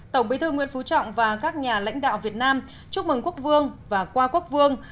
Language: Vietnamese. tổng bí thư nguyễn phú trọng và các nhà lãnh đạo việt nam chúc mừng quốc vương và qua quốc vương